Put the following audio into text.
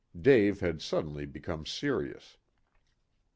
Dave had suddenly become serious.